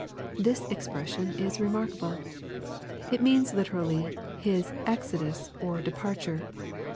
] This expression is remarkable. It means literally, his " Exodus" or departure.